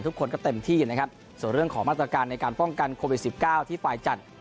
ทุกคนก็เต็มที่นะครับส่วนเรื่องของมาตรการในการป้องกันโควิด๑๙ที่ฝ่ายจัด